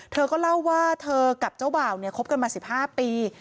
เธอก็เล่าว่าเธอกับเจ้าบ่าวเนี่ยคบกันมา๑๕ปี